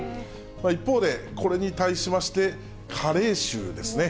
一方で、これに対しまして、加齢臭ですね。